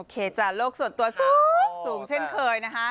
เคจากโลกส่วนตัวสูงเช่นเคยนะคะ